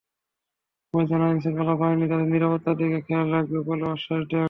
প্রয়োজনে আইনশৃঙ্খলা বাহিনী তাদের নিরাপত্তার দিকে খেয়াল রাখবে বলেও আশ্বাস দেন।